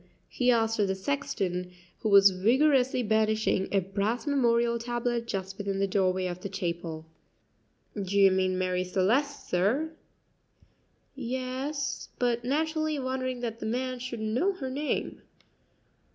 he asked of the sexton, who was vigorously burnishing a brass memorial tablet just within the doorway of the chapel. "Do you mean Marie Celeste, sir?" [Illustration: 0164] "Yes;" but naturally wondering that the man should know her name.